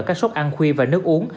các sốt ăn khuya và nước uống